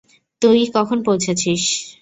তুই কখন পৌঁছেছিস?